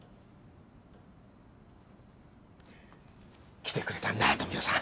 来てくれたんだ富生さん。